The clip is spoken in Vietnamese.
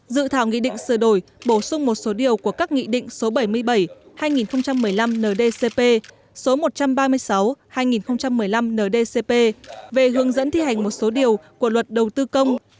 dự thảo nghị định sửa đổi bổ sung một số điều của các nghị định số bảy mươi bảy hai nghìn một mươi năm ndcp số một trăm ba mươi sáu hai nghìn một mươi năm ndcp về hướng dẫn thi hành một số điều của luật đầu tư công